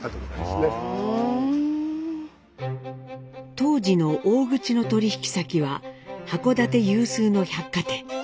当時の大口の取引先は函館有数の百貨店。